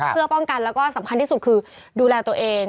เพื่อป้องกันแล้วก็สำคัญที่สุดคือดูแลตัวเอง